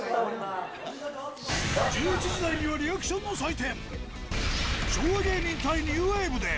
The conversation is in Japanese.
１１時台には、リアクションの祭典。